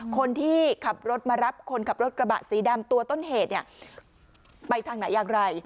คนที่ขับรถมารับคนขับรถกระบะสีดำตัวต้นเหตุเนี่ยไปทางไหนอย่างไร